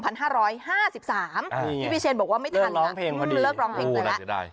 นี่พี่เชนบอกว่าไม่ทันนะเริ่มร้องเพลงพอดี